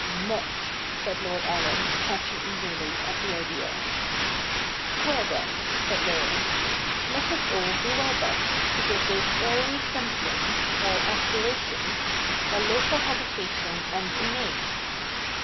' Much,' said Lord Allen, catching eagerly at the idea. • Well, then,' said Laurence, ' let us all do our best to give those airy somethings, our aspirations, a local habitation and a name."